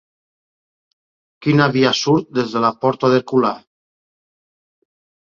Quina via surt des de la porta d'Herculà?